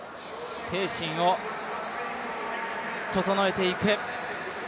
精神を整えていく。